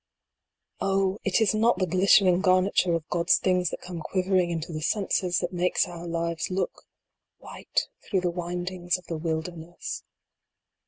Oh ! it is not the glittering garniture of God s things that come quivering into the senses, that makes our lives look white through the windings of the wilderness.